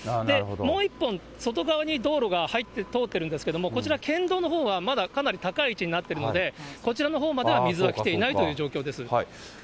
もう１本外側に道路が通ってるんですけど、こちら、県道のほうはまだかなり高い位置になっているので、こちらのほうまでは水は来ていないという状況です。